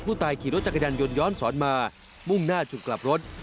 ผู้ตายขี่รถจักรยานยนต์ย้อนสอนมามุ่งหน้าจุดกลับรถ